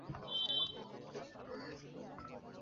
সে নিজেকে দুর্ভাগা বলে বিশ্বাস করতে শুরু করে।